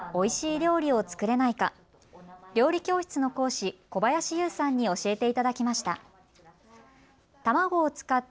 料理教室の講師、小林ゆうさんに教えていただきました。